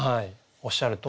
おっしゃるとおり。